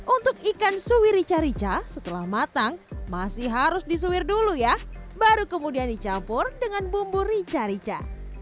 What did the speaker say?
untuk ikan suwi rica rica setelah matang masih harus disuwir dulu ya baru kemudian dicampur dengan bumbu rica rica